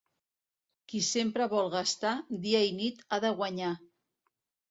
Qui sempre vol gastar, dia i nit ha de guanyar.